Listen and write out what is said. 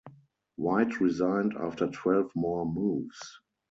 White resigned after twelve more moves.